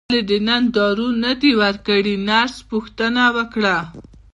ولې دې نن دارو نه دي ورکړي نرس پوښتنه وکړه.